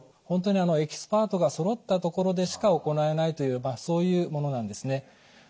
本当にエキスパートがそろった所でしか行えないというそういうものなんですね。